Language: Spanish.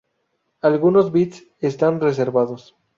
Algunos bits están reservados.